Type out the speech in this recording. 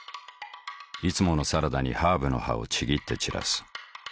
いつものサラダにハーブの葉をちぎって散らす。